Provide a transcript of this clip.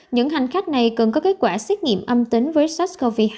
những hành khách này cần có kết quả xét nghiệm âm tính với sars cov hai